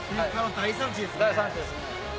大産地ですね。